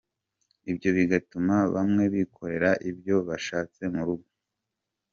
Ibyo bigatuma bamwe bikorera ibyo bashatse mu rugo.